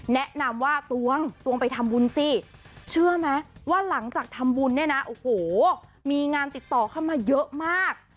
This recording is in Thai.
แนะนำว่าตวงตวงไปทำบุญสิเชื่อไหมว่าหลังจากทำบุญเนี่ยนะโอ้โหมีงานติดต่อเข้ามาเยอะมาก